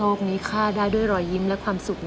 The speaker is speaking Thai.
นี้ฆ่าได้ด้วยรอยยิ้มและความสุข